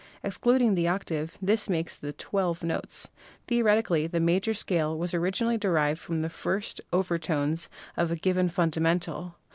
Excluding the octave, this makes then twelve notes. Theoretically the major scale was originally derived from the first few over tones of a given fundamental.